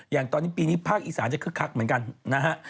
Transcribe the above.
อย่างตอนนี้ปีนี้ภาคอีสานจะคึกคักเหมือนกันนะฮะ